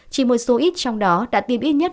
chỉ một số ít trong đó đã tiêm ít nhất